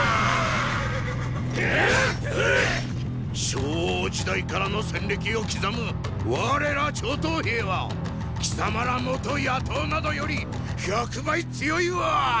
昭王時代からの戦歴を刻む我ら張唐兵は貴様ら元野盗などより百倍強いわァ！！